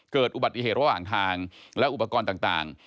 เกิดอุบัติเหตุระหว่างทางและอุปกรณ์ต่าง